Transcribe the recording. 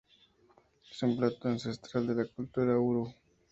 Es un plato ancestral de la cultura "Uru".